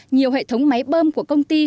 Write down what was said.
nhiều hệ thống máy bơm của công ty